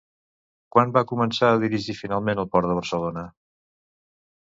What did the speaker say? Quan va començar a dirigir finalment el Port de Barcelona?